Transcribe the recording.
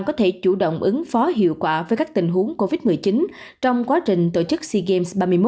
có thể chủ động ứng phó hiệu quả với các tình huống covid một mươi chín trong quá trình tổ chức sea games ba mươi một